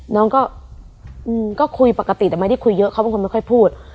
น้องก็คุยปกติแต่ไม่ได้คุยเยอะเขาเป็นคนไม่ค่อยพูด